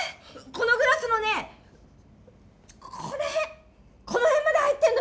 このグラスのねこのへん！